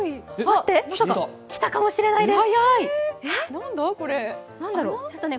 きたかもしれないです。